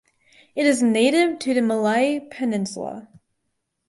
It is native to the Malay Peninsula.